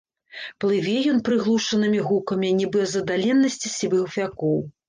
Плыве ён прыглушанымі гукамі, нібы з аддаленасці сівых вякоў.